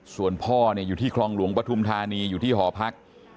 ส่วนพ่ออยู่ที่คลองหลวงปฐุมธานีอยู่ที่หอพัก